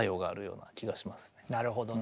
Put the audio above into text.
なるほどね。